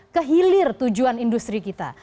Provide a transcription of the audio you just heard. kehilir tujuan industri kita